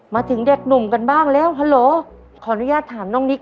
มาถึงเด็กหนุ่มกันบ้างแล้วฮัลโหลขออนุญาตถามน้องนิก